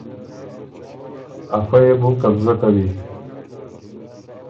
افۀ يې بو قبضه کوی۔